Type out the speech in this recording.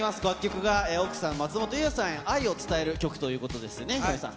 楽曲が、奥さん、松本伊代さんへ愛を伝える曲ということですよね、ヒロミさん。